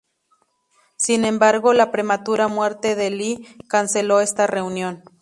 Sin embargo, la prematura muerte de Lee canceló esta reunión.